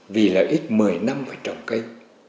vì lợi ích mười năm phải trồng cây